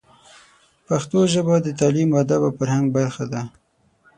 پښتو ژبه د تعلیم، ادب او فرهنګ برخه ده.